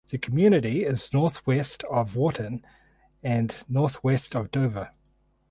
The community is northwest of Wharton and northwest of Dover.